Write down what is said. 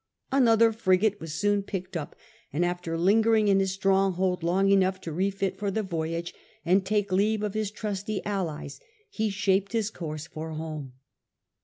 Another frigate was soon picked up, and after lingering in his stronghold long enough to refit for the voyage and take leave of his trusty allies, he shaped his course for home.